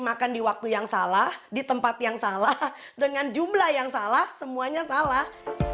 makan di waktu yang salah di tempat yang salah dengan jumlah yang salah semuanya salah